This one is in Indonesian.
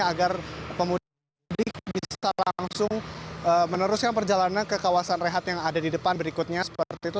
agar pemudik bisa langsung meneruskan perjalanan ke kawasan rehat yang ada di depan berikutnya seperti itu